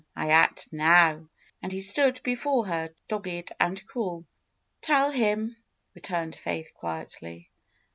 I act now," and he stood before her, dogged and cruel. "Tell him," returned Faith quietly.